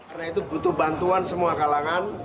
karena itu butuh bantuan semua kalangan